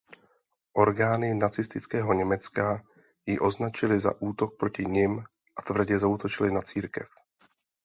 Orgány nacistického Německa ji označily za útok proti nim a tvrdě zaútočily na církev.